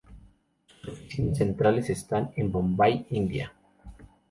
Sus oficinas centrales están en Bombay, India.